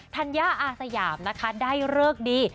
ธัญญาอาสยามนะคะได้เลิกดี